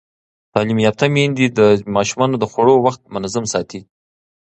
تعلیم یافته میندې د ماشومانو د خوړو وخت منظم ساتي.